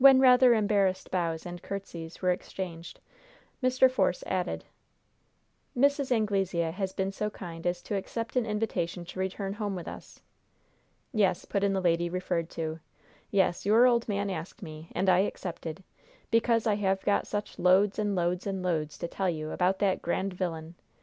When rather embarrassed bows and courtesies were exchanged, Mr. Force added: "Mrs. Anglesea has been so kind as to accept an invitation to return home with us." "Yes," put in the lady referred to. "Yes, your old man asked me, and I accepted, because I have got such loads and loads and loads to tell you about that grand vilyun.